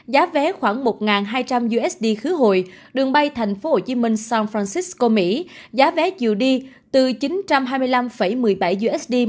giá vé khoảng một hai trăm linh usd khứ hội đường bay thành phố hồ chí minh san francisco mỹ giá vé chiều đi từ chín trăm hai mươi năm một mươi bảy usd